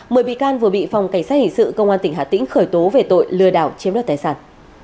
mười bị can vừa bị phòng cảnh sát hình sự công an tp hà tĩnh khởi tố về tội lừa đảo chiếm đoạt tài sản